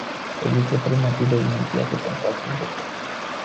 Există trei motive imediate pentru acest lucru.